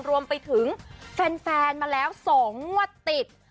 รวมไปถึงแฟนมาแล้ว๒งวดติด